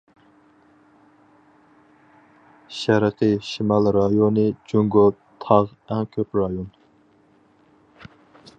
شەرقىي شىمال رايونى جۇڭگو تاغ ئەڭ كۆپ رايون.